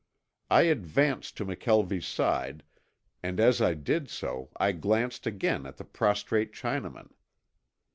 I advanced to McKelvie's side and as I did so I glanced again at the prostrate Chinaman.